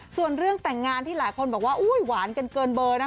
ส่วนเรื่องแต่งงานที่หลายคนบอกว่าอุ๊ยหวานกันเกินเบอร์นะคะ